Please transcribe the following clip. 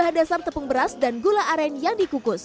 makanan berbahan dasar tepung beras dan gula aren yang dikukus